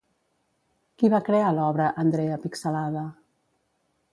Qui va crear l'obra Andrea Pixelada?